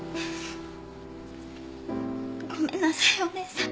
ごめんなさいお姉さん。